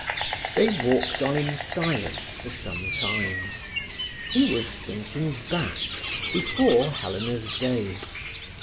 They walked on in silence for some time. He was thinking back, before Helena's day.